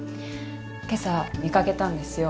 今朝見かけたんですよ